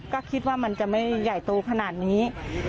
ก็คิดว่ามันจะไม่ใหญ่โตขนาดนี้